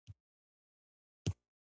انسان یې له خپل طبیعت بېلولای نه شي.